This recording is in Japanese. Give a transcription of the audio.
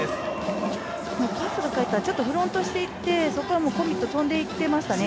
パスが返ったらフロントしていってコミットして跳んでいってましたね。